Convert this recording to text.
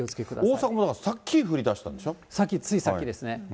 大阪もだから、さっき降りだしたんさっき、ついさっきですね。